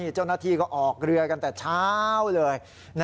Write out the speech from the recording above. เจ้าหน้าที่ก็ออกเรือกันแต่เช้าเลย